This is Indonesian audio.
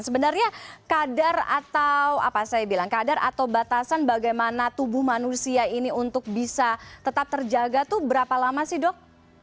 sebenarnya kadar atau apa saya bilang kadar atau batasan bagaimana tubuh manusia ini untuk bisa tetap terjaga itu berapa lama sih dok